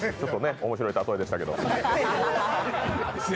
面白い例えでしたけど。